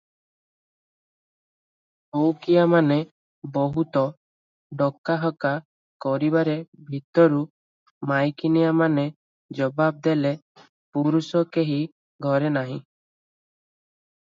ଚଉକିଆମାନେ ବହୁତ ଡକାହକା କରିବାରେ ଭିତରୁ ମାଇକିନିଆମାନେ ଜବାବ ଦେଲେ, "ପୁରୁଷ କେହି ଘରେ ନାହିଁ ।